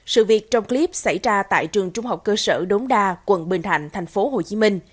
sự việc trong clip xảy ra tại trường trung học cơ sở đống đa quận bình thạnh tp hcm